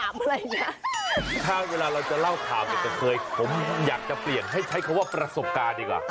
มันเหนื่อยมากเลยมันใช้เวลา